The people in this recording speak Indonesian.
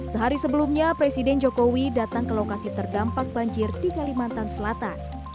sehari sebelumnya presiden jokowi datang ke lokasi terdampak banjir di kalimantan selatan